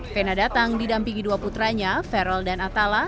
fena datang didampingi dua putranya feral dan atala